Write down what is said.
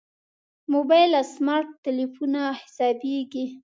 موبایل له سمارټ تلېفونه حسابېږي.